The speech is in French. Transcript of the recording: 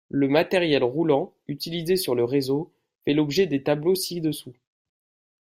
Le matériel roulant utilisé sur le réseau fait l'objet des tableaux ci-dessous.